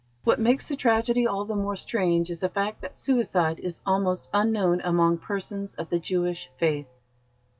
What makes the tragedy all the more strange is the fact that suicide is almost unknown among persons of the Jewish faith."